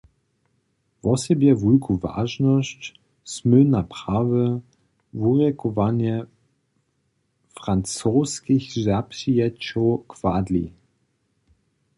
Wosebje wulku wažnosć smy na prawe wurjekowanje francoskich zapřijećow kładli.